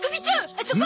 あそこ！